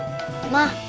gak ada yang nanya